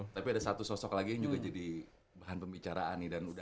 tapi ada satu sosok lagi yang juga jadi bahan pembicaraan nih